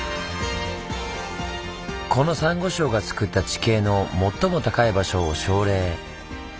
このサンゴ礁がつくった地形の最も高い場所を「礁嶺」